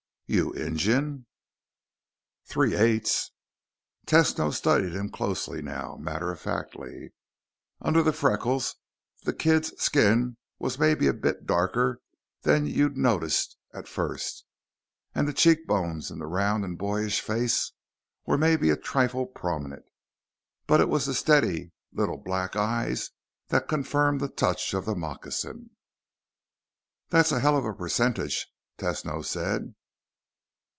"You're Injun?" "Three eights." Tesno studied him closely now, matter of factly. Under the freckles, the kid's skin was maybe a bit darker than you noticed at first, and the cheekbones in the round and boyish face were maybe a trifle prominent. But it was the steady little black eyes that confirmed the touch of the moccasin. "That's a hell of a percentage," Tesno said.